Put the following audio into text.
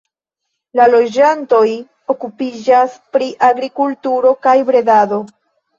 La loĝantoj okupiĝas pri agrikulturo kaj bredado.